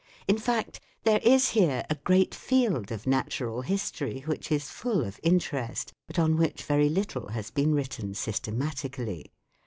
In fact, there is here a great field of natural history which is full of interest, but on which very little has been written systematically.